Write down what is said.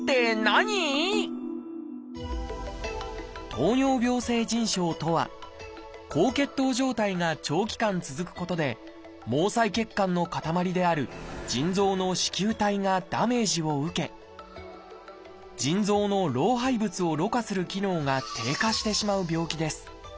「糖尿病性腎症」とは高血糖状態が長期間続くことで毛細血管のかたまりである腎臓の糸球体がダメージを受け腎臓の老廃物をろ過する機能が低下してしまう病気です。